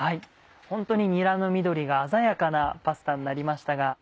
ホントににらの緑が鮮やかなパスタになりましたが。